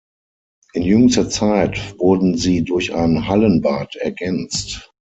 In jüngster Zeit wurden sie durch ein Hallenbad ergänzt.